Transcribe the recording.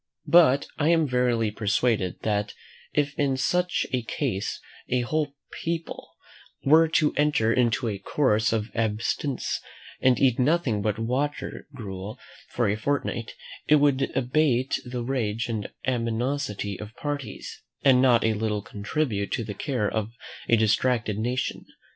But I am verily persuaded that if in such a case a whole people were to enter into a course of abstinence, and eat nothing but water gruel for a fortnight, it would abate the rage and animosity of parties, and not a little contribute to the care of a distracted nation.